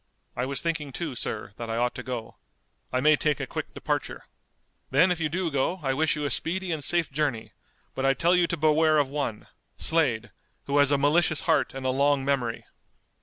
"I was thinking, too, sir, that I ought to go. I may take a quick departure." "Then if you do go I wish you a speedy and safe journey, but I tell you to beware of one, Slade, who has a malicious heart and a long memory."